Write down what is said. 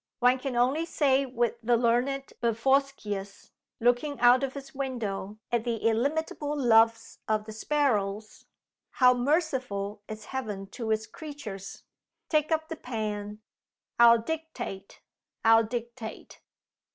One can only say with the learned Bevorskius, looking out of his window at the illimitable loves of the sparrows, 'How merciful is Heaven to its creatures!' Take up the pen. I'll dictate! I'll dictate!"